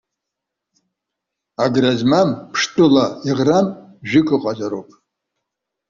Агра змам, ԥштәыла иӷрам жәык акәзарауп.